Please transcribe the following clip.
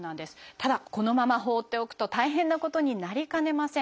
ただこのまま放っておくと大変なことになりかねません。